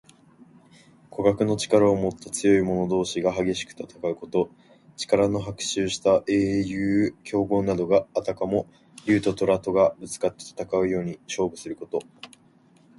互角の力をもった強い者同士が激しく戦うこと。力の伯仲した英雄・強豪などが、あたかも竜ととらとがぶつかって戦うように勝負すること。